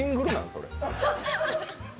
それ。